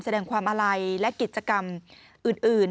แสดงความอาลัยและกิจกรรมอื่น